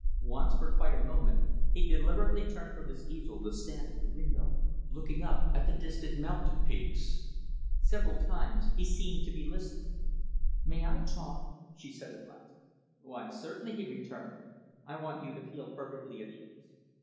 Once, for quite a moment, he deliberately turned from his easel to stand at the window, looking up at the distant mountain peaks. Several times, he seemed to be listening. "May I talk?" she said at last. "Why, certainly," he returned. "I want you to feel perfectly at ease.